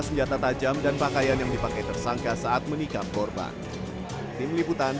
senjata tajam dan pakaian yang dipakai tersangka saat menikam korban tim liputan siang siang menikam korban